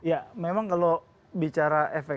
ya memang kalau bicara efek